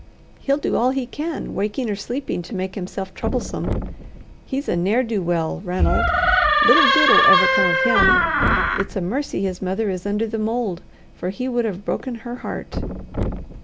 "He'll do all he can, waking or sleeping, to make himself troublesome. He's a ne'er do well, Ranald. Little good'll ever come of him. It's a mercy his mother is under the mould, for he would have broken her heart."